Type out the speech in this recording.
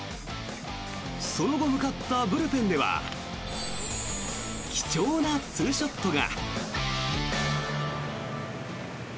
その後、向かったブルペンでは貴重なツーショットが。